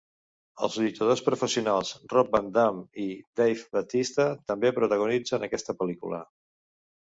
Els lluitadors professionals Rob Van Dam i Dave Batista també protagonitzen aquesta pel·lícula.